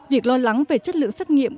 việc lo lắng về chất lượng xét nghiệm